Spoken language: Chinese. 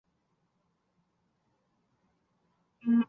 西藏自治区波密监狱是隶属于西藏自治区监狱管理局的监狱。